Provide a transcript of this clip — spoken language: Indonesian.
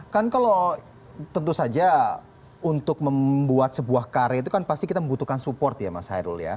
kan kalau tentu saja untuk membuat sebuah karya itu kan pasti kita membutuhkan support ya mas hairul ya